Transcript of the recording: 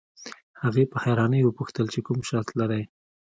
هغې په حيرانۍ وپوښتل چې کوم شرط لرئ.